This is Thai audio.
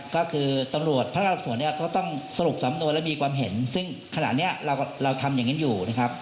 ก็คือตำรวจพนักงานตบสวนต้องสรุปสำนวนเลยมีความเห็นซึ่งขณะนี้เราทำอย่างนี้อยู่